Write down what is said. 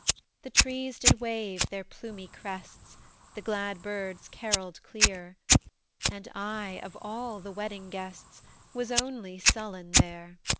The trees did wave their plumy crests, The glad birds carolled clear; And I, of all the wedding guests, Was only sullen there!